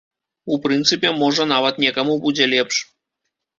У прынцыпе, можа, нават некаму будзе лепш.